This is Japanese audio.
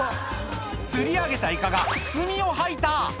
釣り上げたイカが墨を吐いた！